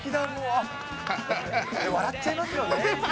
笑っちゃいますよね。